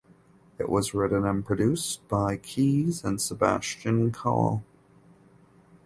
It was written and produced by Keys and Sebastian Kole.